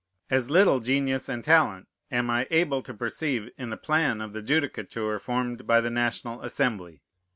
As little genius and talent am I able to perceive in the plan of judicature formed by the National Assembly.